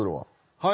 はい。